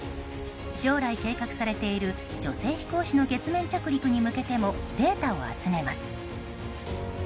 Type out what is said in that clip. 将来計画されている女性飛行士の月面着陸に向けてもデータを集めます。